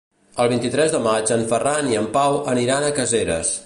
El vint-i-tres de maig en Ferran i en Pau aniran a Caseres.